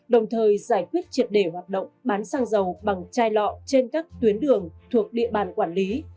đồng thời giải quyết triệt để hoạt động bán xăng dầu bằng chai lọ trên các tuyến đường thuộc địa bàn quản lý